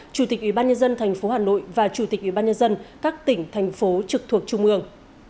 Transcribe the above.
chủ tịch ủy ban nhân dân tp hà nội và chủ tịch ủy ban nhân dân các tỉnh thành phố trực thuộc trung ương